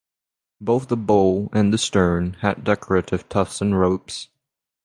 Both the bow and the stern had decorative tufts and ropes.